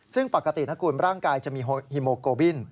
ซึ่งปกตินะคุณร่างกายจะมีฮิโมโกบิน